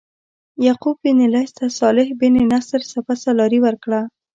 یعقوب بن لیث ته صالح بن نصر سپه سالاري ورکړه.